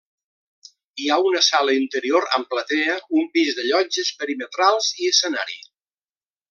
Hi ha una sala interior amb platea, un pis de llotges perimetrals i escenari.